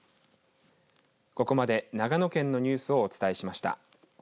ここまで長野県のニュースをお伝えしました。